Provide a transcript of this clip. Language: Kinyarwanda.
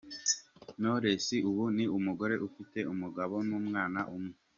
Knowless ubu ni umugore ufite umugabo n’umwana umwe.